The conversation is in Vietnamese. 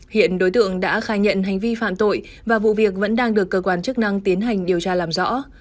hiện đối tượng đã khai nhận hành vi phạm tội và vụ việc vẫn đang được cơ quan chức năng tiến hành điều tra làm rõ